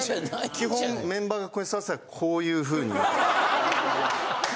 基本メンバーがここに座ってたらこういうふうに。